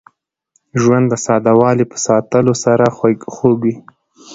ژوند د ساده والي په ساتلو سره خوږ وي.